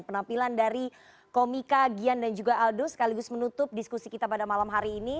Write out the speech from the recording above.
dan penampilan dari komika gian dan juga aldo sekaligus menutup diskusi kita pada malam hari ini